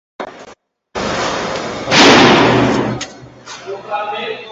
Saylovoldi tashviqotlar qachon boshlanadi?